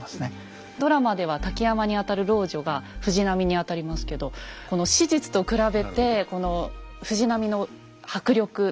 ドラマでは瀧山にあたる老女が藤波にあたりますけどこの史実と比べてこの藤波の迫力という。